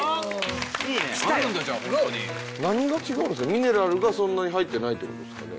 ミネラルがそんなに入ってないって事ですかね？